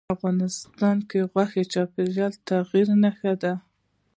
افغانستان کې غوښې د چاپېریال د تغیر نښه ده.